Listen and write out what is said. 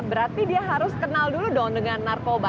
berarti dia harus kenal dulu dong dengan narkoba